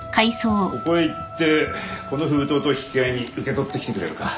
ここへ行ってこの封筒と引き換えに受け取ってきてくれるか